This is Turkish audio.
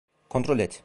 Kontrol et.